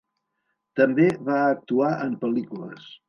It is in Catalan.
També va actuar en pel·lícules.